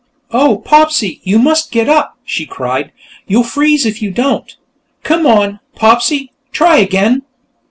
"Oh, Popsy, you must get up!" she cried. "You'll freeze if you don't. Come on, Popsy; try again!"